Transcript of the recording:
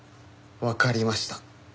わかりました。